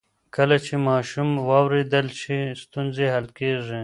کله چې ماشوم واورېدل شي، ستونزې حل کېږي.